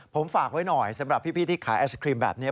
ผมฝากไว้หน่อยสำหรับพี่ที่ขายไอศครีมแบบนี้